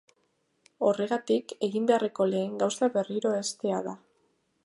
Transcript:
Horregatik, egin beharreko lehen gauza berriro heztea da.